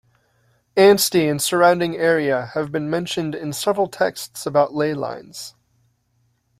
Anstey and surrounding area have been mentioned in several texts about ley lines.